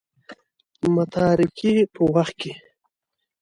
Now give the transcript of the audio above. متارکې په وخت کې.